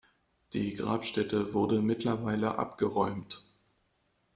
Die Grabstätte wurde mittlerweile abgeräumt.